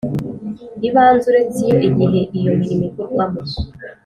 ibanze uretse iyo igihe iyo mirimo ikorwamo